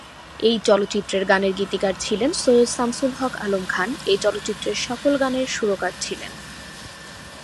এই চলচ্চিত্রের গানের গীতিকার ছিলেন সৈয়দ শামসুল হক আলম খান এই চলচ্চিত্রের সকল গানের সুরকার ছিলেন।